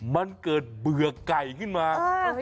มันเกิดเบื่อไก่ขึ้นมา